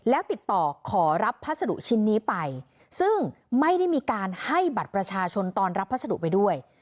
แล้วติดต่อขอรับพัสดุชิ้นนี้ไปซึ่งไม่ได้มีการให้บัตรประชาชนตอนรับพัสดุไปด้วย